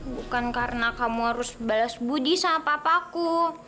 bukan karena kamu harus balas budi sama papaku